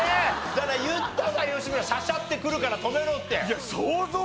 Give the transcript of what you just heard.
だから言ったじゃん吉村しゃしゃってくるから止めろって。